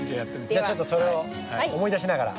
じゃあちょっとそれを思い出しながら。